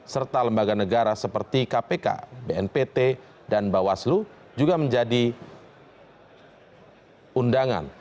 serta lembaga negara seperti kpk bnpt dan bawaslu juga menjadi undangan